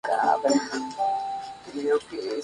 Requiere buena iluminación y alguna luz solar directa diaria.